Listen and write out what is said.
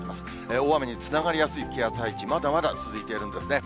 大雨につながりやすい気圧配置、まだまだ続いているんですね。